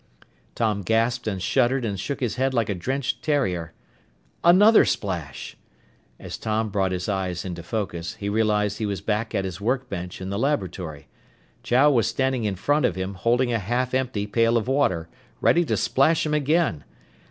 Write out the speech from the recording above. _ Tom gasped and shuddered and shook his head like a drenched terrier. Another splash! As Tom brought his eyes into focus, he realized he was back at his workbench in the laboratory. Chow was standing in front of him, holding a half empty pail of water, ready to splash him again!